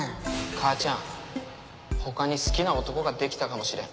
母ちゃん他に好きな男ができたかもしれん。